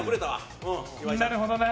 なるほどな！